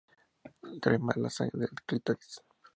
Drena la sangre del clítoris.